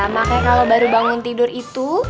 makanya kalau baru bangun tidur itu